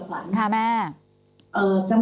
ในการพิจารณาคดีคุณจอบขวัญ